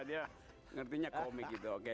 dia ngertinya komik gitu